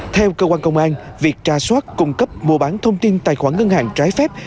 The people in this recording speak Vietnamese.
theo cơ quan công an việc tra soát cung cấp mua bán thông tin tài khoản ngân hàng trái phép